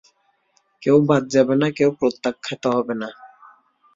কেউ বাদ যাবে না, কেউ প্রত্যাখ্যাত হবে না।